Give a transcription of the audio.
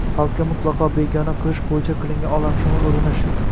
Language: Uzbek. xalqqa mutlaqo begona qilish bo‘yicha qilingan olamshumul urinish